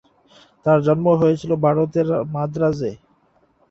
তাঁর জন্ম হয়েছিল ভারত-এর মাদ্রাজে।